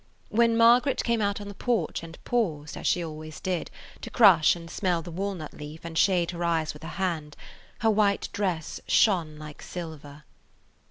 When Margaret came out of the porch and paused, as she always did, to crush and smell the walnut leaf and shade her eyes with her hand, her white dress shone like silver.